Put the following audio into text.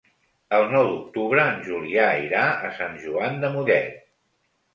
El nou d'octubre en Julià irà a Sant Joan de Mollet.